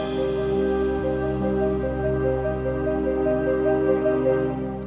kan papa yang bilang sendiri papa bakal handle semua ini